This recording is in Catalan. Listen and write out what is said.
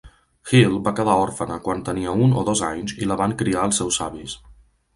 Hill va quedar òrfena quan tenia un o dos anys i la van criar els seus avis.